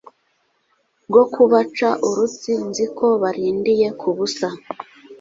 Rwo kubaca urutsi Nzi ko barindiye ku busa,